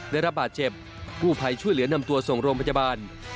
ได้รับบาดเจ็บกู้ภัยช่วยเหลือนำตัวส่งโรงพยาบาล